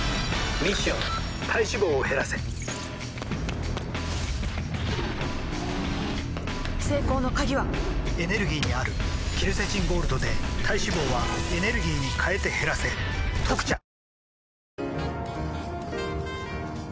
ミッション体脂肪を減らせ成功の鍵はエネルギーにあるケルセチンゴールドで体脂肪はエネルギーに変えて減らせ「特茶」あれ？